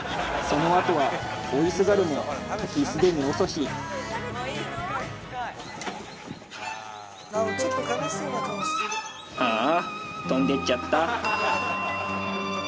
そのあとは追いすがるも時すでに遅しああ飛んでっちゃった